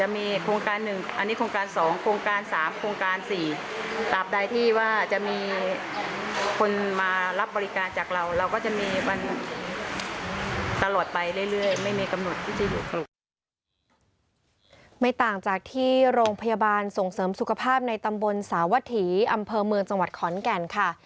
ไม่ต่างจากที่โรงพยาบาลส่งเสริมสุขภาพในตำบลสาวถีอำเภอเมืองจังหวัดขอนแก่นค่ะ